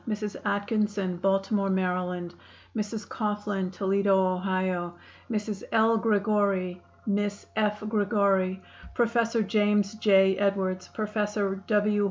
Mrs. Atkinson, Baltimore, Md.; Mrs. Coughlin, Toledo, Ohio; Mrs. L. Gregori, Miss F. Gregori, Professor James J. Edwards, Professor W.